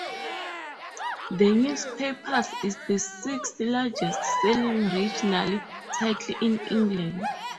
The newspaper is the sixth largest-selling regional title in England.